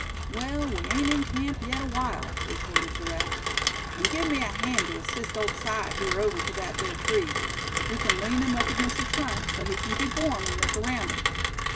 "Well, we ain't in camp yet awhile," retorted Giraffe; "and give me a hand to assist old Si here over to that there tree. We c'n lean him up against the trunk, so he can keep warm, and look around him.